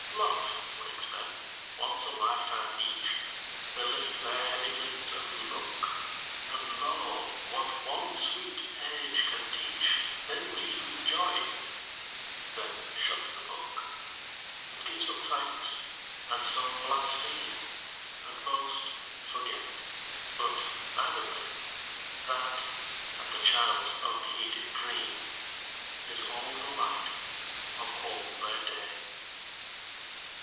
Love wakes men, once a lifetime each; They lift their heavy lids, and look; And, lo, what one sweet page can teach, They read with joy, then shut the book. And give some thanks, and some blaspheme, And most forget, but, either way, That and the child's unheeded dream Is all the light of all their day.